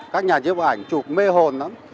các nhà chế bảo ảnh chụp mê hồn lắm